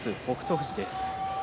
富士です。